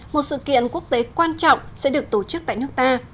một sự kiện quốc tế quan trọng sẽ được tổ chức tại nước ta